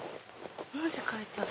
文字書いてある！